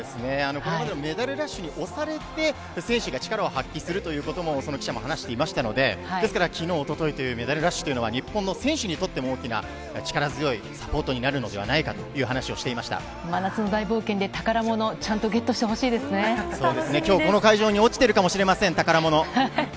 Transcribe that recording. これまでのメダルラッシュに押されて、選手が力を発揮するということも、その記者も話していましたので、ですからきのう、おとといというメダルラッシュというのは、日本の選手にとっても大きな力強いサポートになるのではないかと真夏の大冒険で、宝物、そうですね、きょう、この会場に落ちてるかもしれません、宝物。